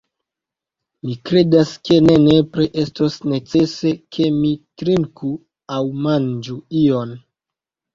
Mi kredas ke nepre estos necese ke mi trinku aŭ manĝu ion.